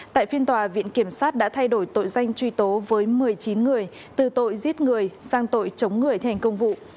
tại phiên tòa viện kiểm sát đã thay đổi tội danh truy tố với một mươi chín người từ tội giết người sang tội chống người thi hành công vụ